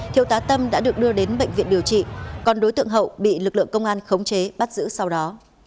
thiếu tá tâm đã được đưa đến bệnh viện điều trị còn đối tượng hậu bị lực lượng công an khống chế bắt giữ sau đó